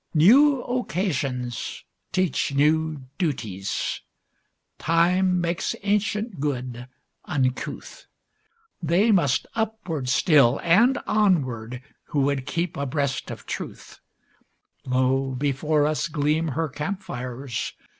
New occasions teach new duties; Time makes ancient good uncouth; They must upward still, and onward, who would keep abreast of Truth; Lo, before us gleam her camp fires!